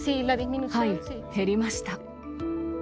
はい、減りました。